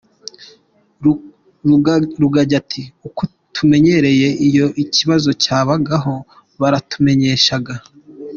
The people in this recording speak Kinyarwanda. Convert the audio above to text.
Rugagi ati "Uko tumenyeyereye iyo ikibazo cyabagaho baratumenyeshaga.